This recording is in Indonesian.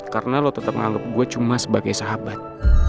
karena lo tetep nganggep gue cuma sebagai sahabat